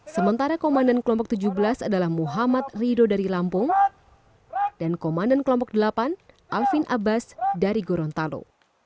sementara komandan kelompok tujuh belas adalah muhammad rido dari lampung dan komandan kelompok delapan alvin abbas dari gorontalo